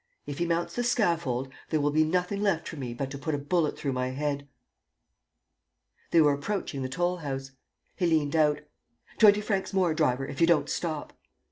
If he mounts the scaffold, there will be nothing left for me but to put a bullet through my head." They were approaching the toll house. He leant out: "Twenty francs more, driver, if you don't stop."